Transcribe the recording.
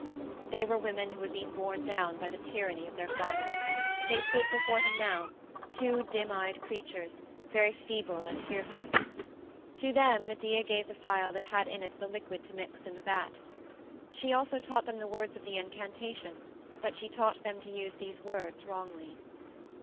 They were women who had been borne down by the tyranny of their father; they stood before him now, two dim eyed creatures, very feeble and fearful. To them Medea gave the phial that had in it the liquid to mix in the vat; also she taught them the words of the incantation, but she taught them to use these words wrongly.